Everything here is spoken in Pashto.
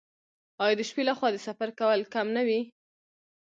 آیا د شپې لخوا د سفر کول کم نه وي؟